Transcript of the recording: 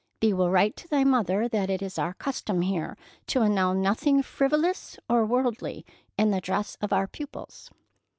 "Thee will write to thy mother that it is our custom here to allow nothing frivolous or worldly in the dress of our pupils."